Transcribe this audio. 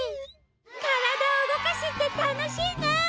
からだをうごかすってたのしいね！